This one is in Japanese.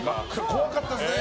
怖かったですね。